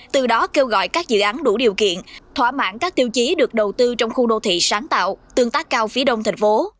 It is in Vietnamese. từ đó kêu gọi các dự án đủ điều kiện thỏa mãn các tiêu chí được đầu tư trong khu đô thị sáng tạo tương tác cao phía đông thành phố